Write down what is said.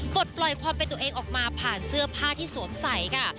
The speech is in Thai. ปลดปล่อยความเป็นตัวเองออกมาผ่านเสื้อผ้าที่สวมใส่ค่ะ